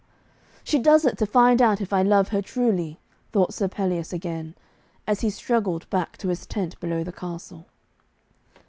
'She does it to find out if I love her truly,' thought Sir Pelleas again, as he struggled back to his tent below the castle.